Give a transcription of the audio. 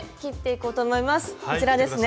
こちらですね。